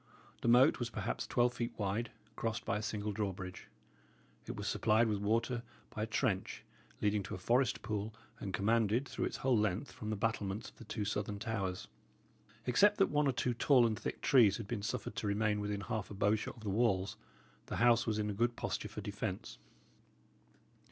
The moat was perhaps twelve feet wide, crossed by a single drawbridge. It was supplied with water by a trench, leading to a forest pool and commanded, through its whole length, from the battlements of the two southern towers. Except that one or two tall and thick trees had been suffered to remain within half a bowshot of the walls, the house was in a good posture for defence.